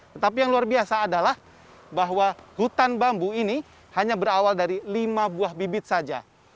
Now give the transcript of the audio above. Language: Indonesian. tetapi yang luar biasa adalah bahwa hutan bambu ini hanya berawal dari lima buah bibit saja